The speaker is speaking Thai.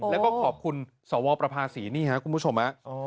และก็ขอบคุณสวประภาษีคุณผู้ชม